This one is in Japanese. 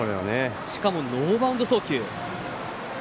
しかもノーバウンド送球。